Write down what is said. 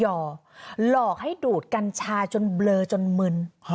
หลอกให้ดูดกัญชาจนเบลอจนมึน